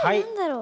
う！